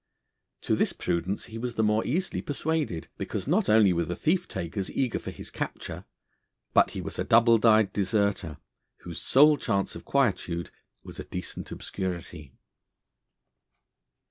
To this prudence he was the more easily persuaded, because not only were the thief takers eager for his capture, but he was a double dyed deserter, whose sole chance of quietude was a decent obscurity.